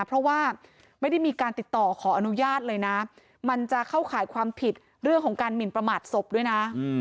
เพราะว่าไม่ได้มีการติดต่อขออนุญาตเลยนะมันจะเข้าข่ายความผิดเรื่องของการหมินประมาทศพด้วยนะ